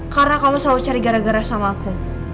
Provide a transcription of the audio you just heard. karena kamu selalu cari gara gara sama aku